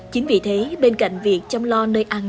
chính vì thế bên cạnh việc chăm lo nơi ăn